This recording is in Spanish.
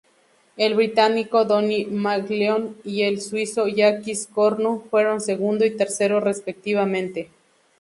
El británico Donnie McLeod y el suizo Jacques Cornu fueron segundo y tercero respectivamente.